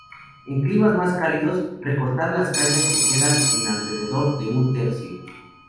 En climas más cálidos, recortar las cañas que quedan en alrededor de un tercio.